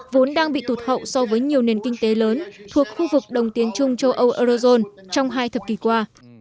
vốn đang bị tụt hậu so với nhiều nền kinh tế lớn thuộc khu vực đồng tiến trung châu âu eurozone trong hai thập kỷ qua